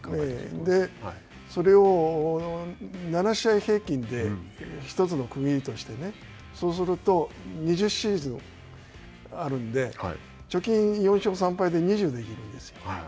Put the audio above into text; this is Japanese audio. それを７試合平均で一つの区切りとして、そうすると、２０シーズンあるんで、貯金、４勝３敗で２０できるんです。